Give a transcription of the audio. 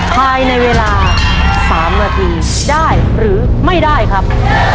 ภายในเวลา๓นาทีได้หรือไม่ได้ครับ